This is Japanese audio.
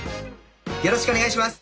よろしくお願いします。